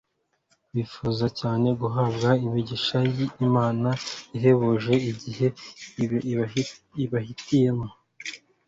Bifuza cyane guhabwa imigisha y imana ihebuje iyindi ibahitiyemo.